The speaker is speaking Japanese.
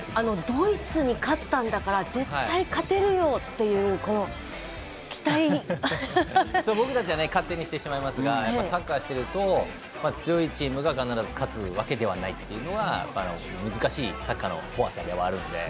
ドイツに勝ったんだから絶対勝てるよという僕たちは勝手にしてしまいますがサッカーをしてると強いチームが必ず勝つわけではないというのは難しいサッカーの怖さではあるので。